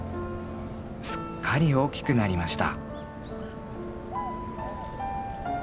すっかり大きくなりました。